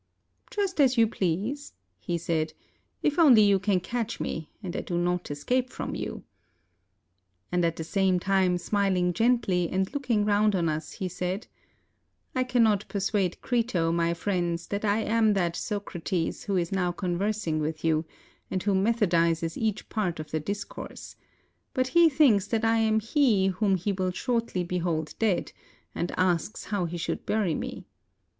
"Just as you please," he said, "if only you can catch me, and I do not escape from you." And at the same time smiling gently and looking round on us he said: "I cannot persuade Crito, my friends, that I am that Socrates who is now conversing with you, and who methodizes each part of the discourse; but he thinks that I am he whom he will shortly behold dead, and asks how he should bury me.